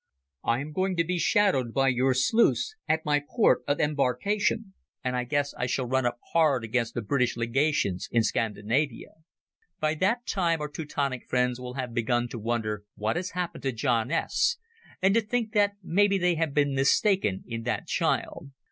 I am going to be shadowed by your sleuths at my port of embarkation, and I guess I shall run up hard against the British Legations in Scandinavia. By that time our Teutonic friends will have begun to wonder what has happened to John S., and to think that maybe they have been mistaken in that child.